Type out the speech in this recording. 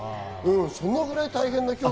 そのぐらい大変な競技。